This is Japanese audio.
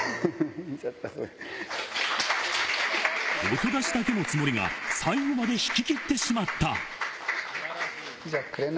音出しだけのつもりが、最後まで弾ききってしまった。